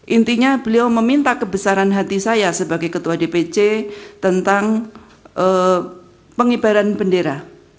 intinya beliau meminta kebesaran hati saya sebagai ketua dpc tentang pengibaran bendera